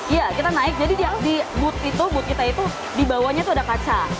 iya kita naik jadi di booth itu booth kita itu di bawahnya itu ada kaca